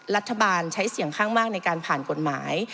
รัฐบาลใช้เสียงข้างมากในการผ่านกฎหมาย